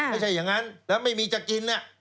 ไม่ใช่อย่างนั้นแล้วไม่มีจะกิน